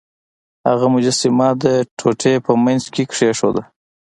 هغه مجسمه د ټوټې په مینځ کې کیښوده.